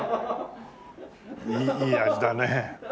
いい味だね。